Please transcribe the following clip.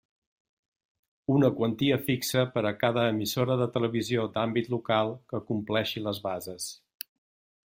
Una quantia fixa per a cada emissora de televisió d'àmbit local que compleixi les bases.